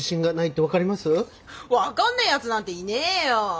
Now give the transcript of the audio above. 分かんねえやつなんていねえよ。